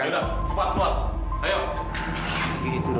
yaudah pak keluar